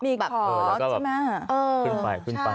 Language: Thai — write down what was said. มีของใช่มะ